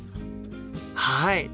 はい！